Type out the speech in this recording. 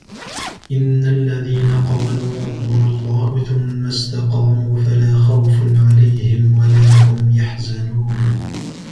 إن الذين قالوا ربنا الله ثم استقاموا فلا خوف عليهم ولا هم يحزنون